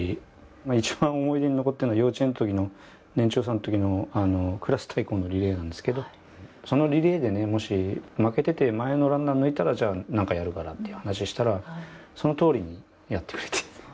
一番思い出に残ってるのは幼稚園の時の年長さんの時のクラス対抗のリレーなんですけどそのリレーでねもし負けてて前のランナー抜いたらなんかやるからっていう話をしたらそのとおりにやってくれて。